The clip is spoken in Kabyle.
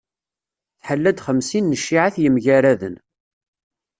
Tḥella-d xemsin n cciεat yemgaraden.